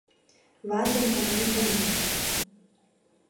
Ватем да мый гына.